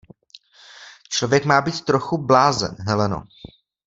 Člověk má být trochu blázen, Heleno.